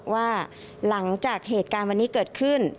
ว่าหลังจากเหตุการณ์วันนี้เกิดขึ้น